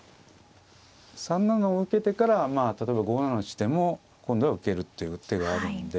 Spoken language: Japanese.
３七を受けてからまあ例えば５七の地点も今度は受けるっていう手があるんで。